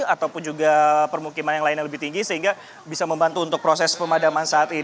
ataupun juga permukiman yang lainnya lebih tinggi sehingga bisa membantu untuk proses pemadaman saat ini